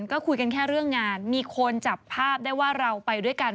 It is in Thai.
ก็คุยกันแค่เรื่องงานมีคนจับภาพได้ว่าเราไปด้วยกัน